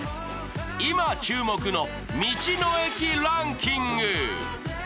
今注目の道の駅ランキング。